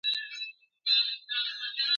o کلونه وروسته هم يادېږي تل,